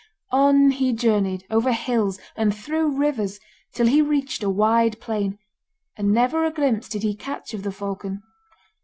On he journeyed, over hills, and through rivers till he reached a wide plain, and never a glimpse did he catch of the falcon.